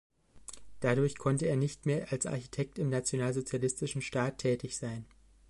Dadurch konnte er nicht mehr als Architekt im nationalsozialistischen Staat tätig sein.